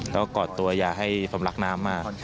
แล้วก็กอดตัวอย่าให้ผมรักน้ำมาก